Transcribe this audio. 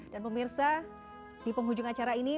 dan pemirsa di penghujung acara ini